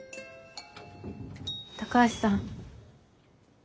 高橋さん。